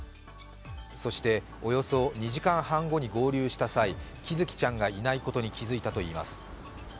そして、およそ２時間半後に合流した際、喜寿生ちゃんがいないことに気づいたといいます。